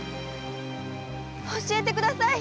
教えてください